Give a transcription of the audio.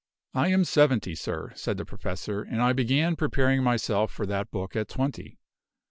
"I am seventy, sir," said the Professor; "and I began preparing myself for that book at twenty.